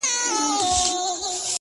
رپا د سونډو دي زما قبر ته جنډۍ جوړه كړه-